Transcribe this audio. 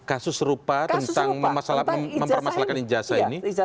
kasus serupa tentang mempermasalahkan ijazah ini